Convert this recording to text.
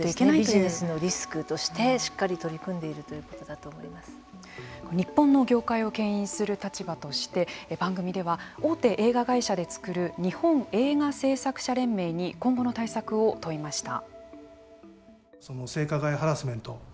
ビジネスのリスクとしてしっかり取り組んでいる日本の業界をけん引する立場として番組では大手映画会社で作る日本映画製作者連盟に今後の対策を問いました。